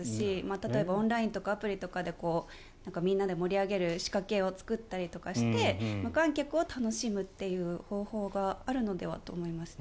例えばオンラインとかアプリとかでみんなで盛り上げる仕掛けを作ったりとかして無観客を楽しむっていう方法があるのではと思いますね。